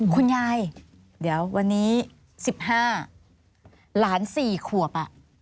คุณยายเดี๋ยววันนี้๑๕หลาน๔ขวบ